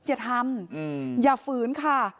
อย่าทำอย่าฝืนค่ะ